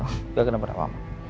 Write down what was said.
enggak kena pada mama